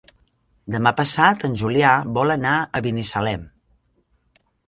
Demà passat en Julià vol anar a Binissalem.